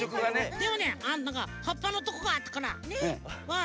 でもねなんかはっぱのとこがあったからうん。